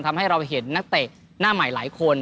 ทำให้เราเห็นนักเตะหน้าใหม่หลายคน